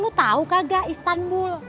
lu tau kagak istanbul